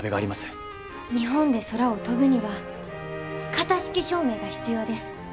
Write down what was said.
日本で空を飛ぶには型式証明が必要です。